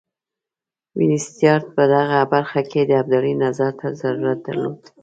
وینسیټارټ په دغه برخه کې د ابدالي نظر ته ضرورت درلود.